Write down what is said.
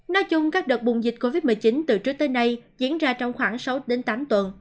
nói chung các đợt bùng dịch covid một mươi chín từ trước tới nay diễn ra trong khoảng sáu đến tám tuần